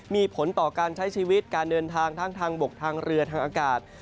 มีผลต่อการใช้ชีวิตการเดินทางทั้งทางบกทางเรือทางอากาศ